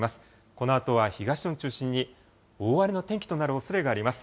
このあとは東日本中心に大荒れの天気となるおそれがあります。